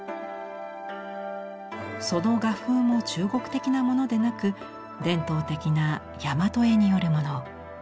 その画風も中国的なものでなく伝統的な大和絵によるもの。